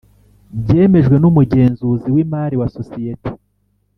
Byemejwe n’umugenzuzi w’imari wa sosiyete